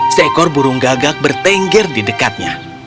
seekor burung gagak bertengger di dekatnya